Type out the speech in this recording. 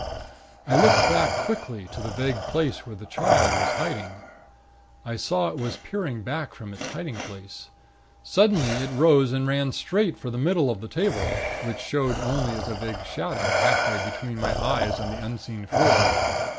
"I looked back quickly to the vague place where the Child was hiding. I saw it was peering back from its hiding place. Suddenly it rose and ran straight for the middle of the table, which showed only as vague shadow half way between my eyes and the unseen floor.